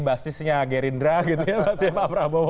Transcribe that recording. basisnya gerindra gitu ya